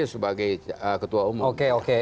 sebagai ketua umum